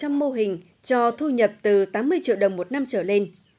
một trăm linh mô hình cho thu nhập từ tám mươi triệu đồng một năm trở lên